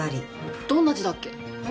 どんな字だっけ？